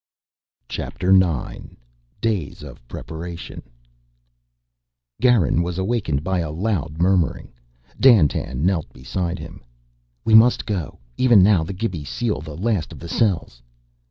CHAPTER NINE Days of Preparation Garin was awakened by a loud murmuring. Dandtan knelt beside him. "We must go. Even now the Gibi seal the last of the cells."